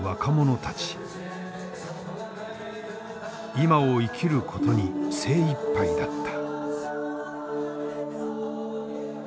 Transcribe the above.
今を生きることに精いっぱいだった。